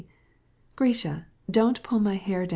Grisha, don't pull my hair.